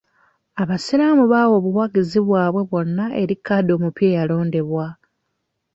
Abasiraamu bawa obuwagizi bwabwe bwonna eri kadhi omupya eyalondebwa.